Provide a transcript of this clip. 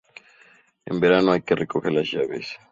En verano hay que recoger las llaves.